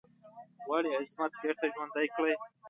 غواړي عظمت بیرته ژوندی کړی.